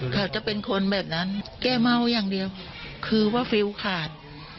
เขาจะเป็นคนแบบนั้นแกเมาอย่างเดียวคือว่าฟิลขาด